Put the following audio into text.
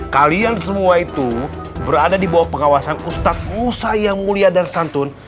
kalian semua itu berada di bawah pengawasan ustadz musa yang mulia dan santun